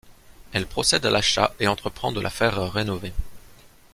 Elle procède à l'achat et entreprend de la faire rénover.